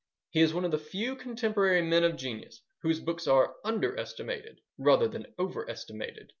He is one of the few contemporary men of genius whose books are under estimated rather than over estimated.